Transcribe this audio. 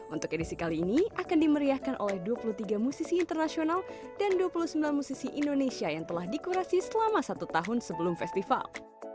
untuk edisi kali ini akan dimeriahkan oleh dua puluh tiga musisi internasional dan dua puluh sembilan musisi indonesia yang telah dikurasi selama satu tahun sebelum festival